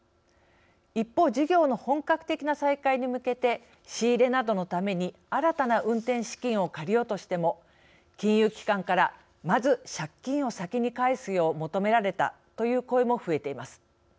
一方事業の本格的な再開に向けて仕入れなどのために、新たな運転資金を借りようとしても金融機関から、まず借金を先に返すよう求められたという声も増えています。